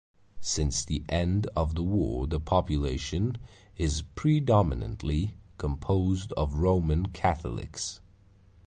Since the end of the war the population is predominantly composed of Roman Catholics.